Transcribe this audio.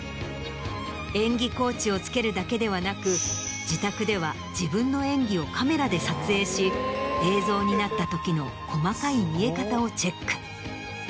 演技コーチをつけるだけではなく自宅では自分の演技をカメラで撮影し映像になったときの細かい見え方をチェック。